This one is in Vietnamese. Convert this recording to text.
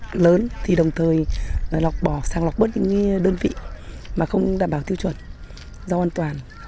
sản phẩm lớn thì đồng thời lọc bỏ sang lọc bớt những cái đơn vị mà không đảm bảo tiêu chuẩn rau an toàn